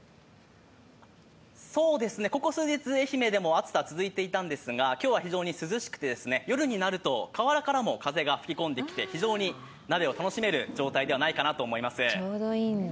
ここ数日、愛媛でも暑さは続いていたんですが、今日は非常に涼しくて、夜になると河原からも風が吹き込んできて非常に鍋を楽しめる状態ではないかなと思います。